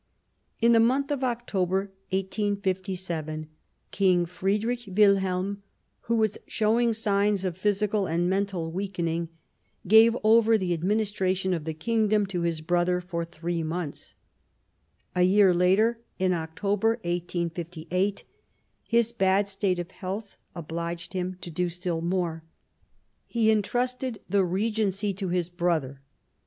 In the month of October 1857, King Friedrich Wilhelm, who was showing signs of physical and mental weakening, gave over the ad Relations ministration of the Kingdom to his Prtace^Regent brother for three months, A year later, in October 1858, his bad state of health obliged him to do still more : he entrusted the Regency to his brother.